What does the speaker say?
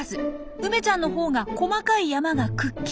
梅ちゃんのほうが細かい山がくっきり。